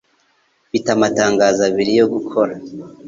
Mfite amatangazo abiri yo gukora